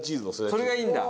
それがいいんだ？